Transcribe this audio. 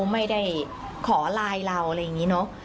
ไม่ได้ขอไลน์เราอะไรอย่างนี้เนอะ